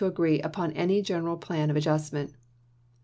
agree upon any general plan of adjustment."